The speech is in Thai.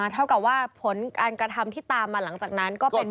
เท่ากับว่าผลการกระทำที่ตามมาหลังจากนั้นก็เป็น